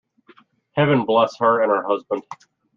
Heaven bless her and her husband!